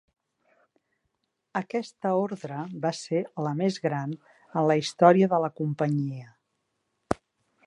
Aquesta ordre va ser la més gran en la història de la companyia.